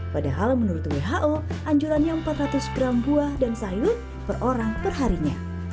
padahal menurut who anjurannya empat ratus gram buah dan sayur per orang perharinya